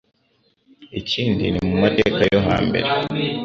ikindi ni mu mateka yo hambere